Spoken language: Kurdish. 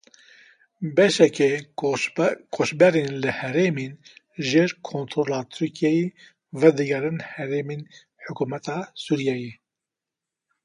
Beşeke koçberên li herêmên jêr kontrola Tirkiyeyê vedigerên herêmên hikûmeta Sûriyeyê.